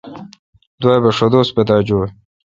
دوا بہ ݭہ دوس پتا چویں